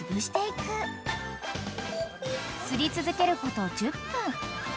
［すり続けること１０分］